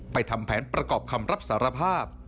ทำแผนประกอบคำรับสารภาพ